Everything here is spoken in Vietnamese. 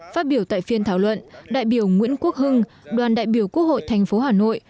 phát biểu tại phiên thảo luận đại biểu nguyễn quốc hưng đoàn đại biểu quốc hội thành phố hà nội